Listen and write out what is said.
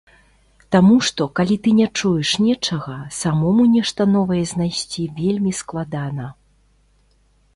Таму што, калі ты не чуеш нечага, самому нешта новае знайсці вельмі складана.